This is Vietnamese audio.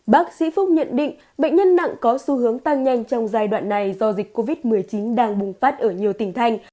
bác sĩ phúc nhận định bệnh nhân nặng có xu hướng tăng nhanh trong giai đoạn này do dịch covid một mươi chín đang bùng phát ở nhiều tỉnh thành